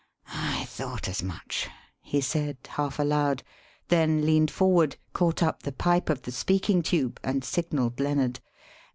"I thought as much," he said, half aloud; then leaned forward, caught up the pipe of the speaking tube, and signalled Lennard.